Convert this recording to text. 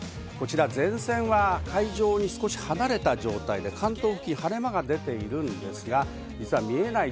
前線は海上に少し離れた状態、関東付近、晴れ間が出ているんですが見えない